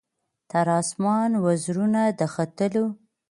تر اسمانه وزرونه د ختلو